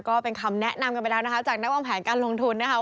ก็เป็นคำแนะนำกันไปแล้วนะคะจากนักวางแผนการลงทุนนะคะ